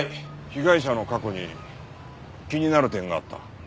被害者の過去に気になる点があった。